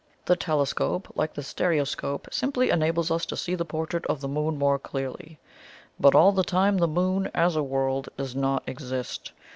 The telescope, like the stereoscope, simply enables us to see the portrait of the Moon more clearly; but all the same, the Moon, as a world, does not exist.